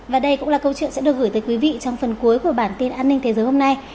và đây cũng là câu chuyện sẽ được gửi tới quý vị trong phần cuối của bản tin an ninh thế giới hôm nay